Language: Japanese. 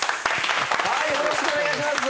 よろしくお願いします。